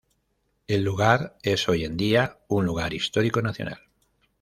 El lugar es hoy en día un Lugar Histórico Nacional.